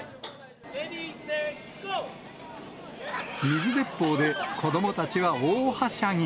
水鉄砲で子どもたちは大はしゃぎ。